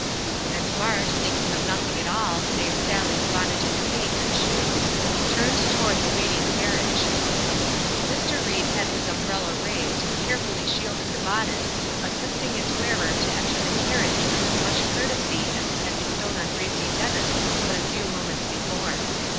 And Mart, thinking of nothing at all, save Sallie's bonnet and cape and shoes, turned toward the waiting carriage. Mr. Ried had his umbrella raised, and carefully shielded the bonnet, assisting its wearer to enter the carriage with as much courtesy as he had bestowed on Gracie Dennis but a few moments before.